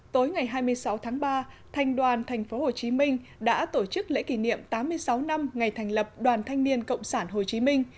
tối ngày hai mươi sáu tháng ba thanh đoàn tp hcm đã tổ chức lễ kỷ niệm tám mươi sáu năm ngày thành lập đoàn thanh niên cộng sản hồ chí minh